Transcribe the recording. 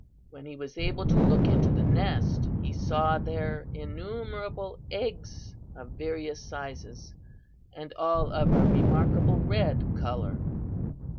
"When he was able to look into the nest he saw there innumerable eggs of various sizes, and all of a remarkable red color.